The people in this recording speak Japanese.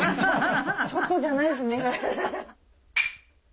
ちょっとじゃないです。